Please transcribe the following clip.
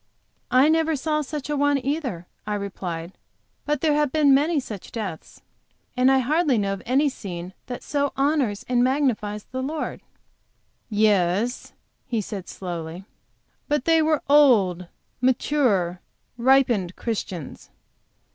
"I never saw such a one, either," I replied; "but ere have been many such deaths, and I hardly know of any scene that so honors and magnifies the Lord." "Yes," he said, slowly; "but they were old, mature, ripened Christians."